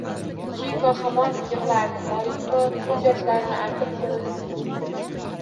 Chiko hamon yig‘lardi. Moriko ko‘z yoshlarini artib qo‘lini silkitdi.